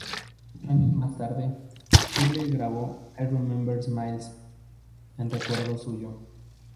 Ocho años más tarde, Shirley grabó "I remember Miles," en recuerdo suyo.